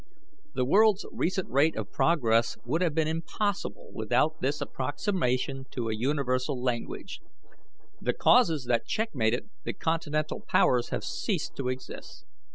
The world's recent rate of progress would have been impossible without this approximation to a universal language. The causes that checkmated the Continental powers have ceased to exist.